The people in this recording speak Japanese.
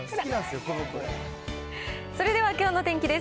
それでは、きょうの天気です。